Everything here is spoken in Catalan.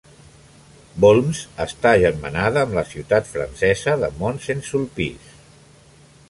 Baulmes està agermanada amb la ciutat francesa de Mont-Saint-Sulpice.